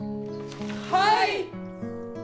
はい！